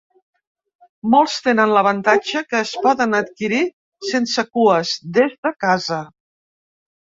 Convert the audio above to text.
Molts tenen l’avantatge que es poden adquirir sense cues, des de casa.